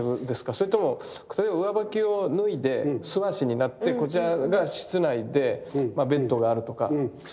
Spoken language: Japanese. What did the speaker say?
それとも例えば上履きを脱いで素足になってこちらが室内でベッドがあるとかそういう。